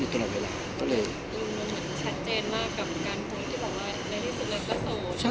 พี่อัดมาสองวันไม่มีใครรู้หรอก